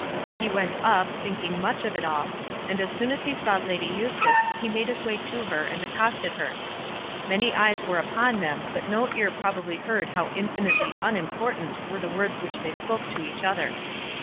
He went up, thinking much of it all, and as soon as he saw Lady Eustace he made his way to her and accosted her. Many eyes were upon them, but no ear probably heard how infinitely unimportant were the words which they spoke to each other.